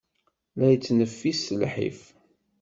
La yettneffis s lḥif.